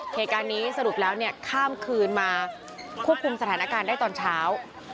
เหตุการณ์นี้สรุปแล้วเนี่ยข้ามคืนมาควบคุมสถานการณ์ได้ตอนเช้า